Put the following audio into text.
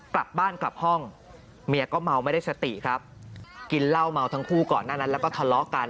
กลับบ้านกลับห้องเมียก็เมาไม่ได้สติครับกินเหล้าเมาทั้งคู่ก่อนหน้านั้นแล้วก็ทะเลาะกัน